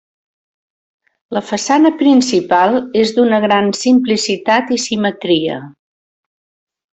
La façana principal és d'una gran simplicitat i simetria.